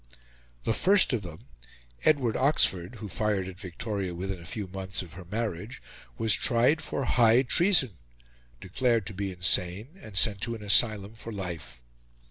The first of them, Edward Oxford, who fired at Victoria within a few months of her marriage, was tried for high treason, declared to be insane, and sent to an asylum for life.